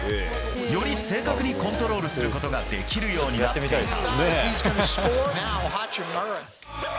より正確にコントロールすることができるようになっていた。